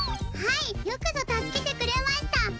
はいよくぞ助けてくれました！